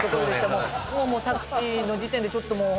もうタクシーの時点でちょっともう。